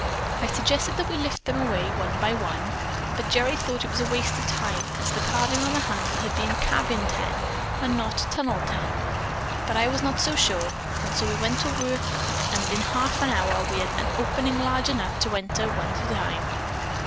I suggested that we lift them away one by one, but Gerry thought it a waste of time as the carving on the handle had been 'Cabin 10' and not Tunnel 10. But I was not so sure, and so we went to work and in half an hour we had an opening large enough to enter one at a time.